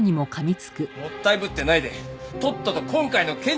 もったいぶってないでとっとと今回の件にケリつけろ！